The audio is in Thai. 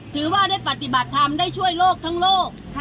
ถือว่าได้ปฏิบัติธรรมได้ช่วยโลกทั้งโลก